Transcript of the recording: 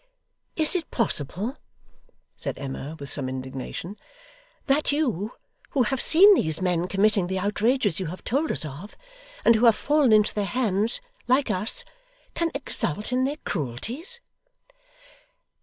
'Is it possible,' said Emma, with some indignation, 'that you who have seen these men committing the outrages you have told us of, and who have fallen into their hands, like us, can exult in their cruelties!